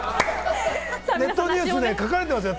ネットニュースで書かれますよ。